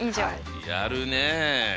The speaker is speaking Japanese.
やるねえ。